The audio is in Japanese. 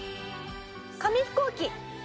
『紙飛行機』。